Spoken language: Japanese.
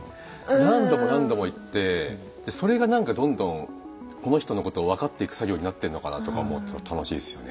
何度も何度も行ってそれがなんかどんどんこの人のことを分かっていく作業になってんのかなとか思うと楽しいですよね。